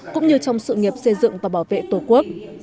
cũng như trong sự nghiệp xây dựng và bảo vệ tổ quốc